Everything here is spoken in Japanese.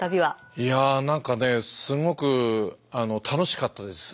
いや何かねすごく楽しかったです。